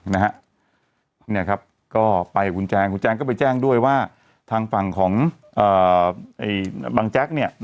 ก็ไปกับคุณแจ้งคุณแจ้งก็ไปแจ้งด้วยว่าทางฝั่งของบางแจ๊ก